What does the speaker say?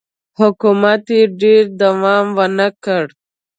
حکومت یې ډېر دوام ونه کړ.